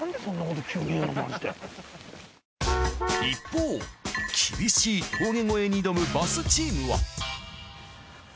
一方厳しい峠越えに挑むバスチームは。